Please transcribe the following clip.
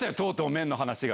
麺の話が。